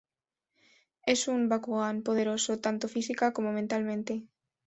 Es un Bakugan poderoso tanto física como mentalmente.